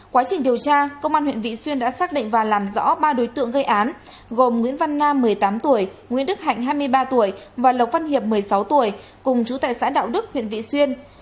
quá trình điều tra công an huyện vị xuyên đã xác định và làm rõ ba đối tượng gây án gồm nguyễn văn nam một mươi tám tuổi nguyễn đức hạnh hai mươi ba tuổi và lộc văn hiệp một mươi sáu tuổi cùng chú tại xã đạo đức huyện vị xuyên